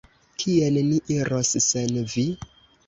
Kien ni iros sen vi?